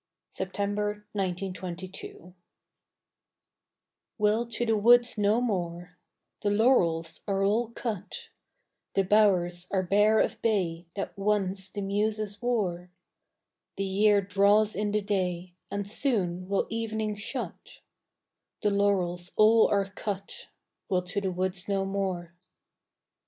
September 1922 We'll to the woods no more, The laurels are all cut, The bowers are bare of bay That once the Muses wore; The year draws in the day And soon will evening shut: The laurels all are cut, We'll to the woods no more.